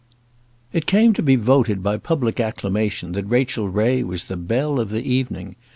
It came to be voted by public acclamation that Rachel Ray was the belle of the evening.